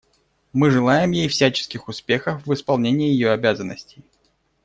Мы желаем ей всяческих успехов в исполнении ее обязанностей.